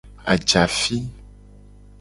Ajafi.